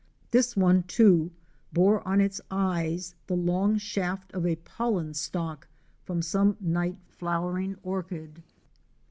This one too bore on its eyes the long shaft of a pollen stalk from some night flowering orchid.